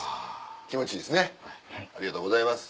気持ちいいですねありがとうございます。